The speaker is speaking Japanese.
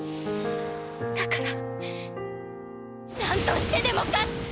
だから何としてでも勝つ！